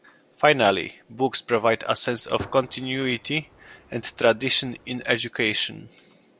Finally, books provide a sense of continuity and tradition in education.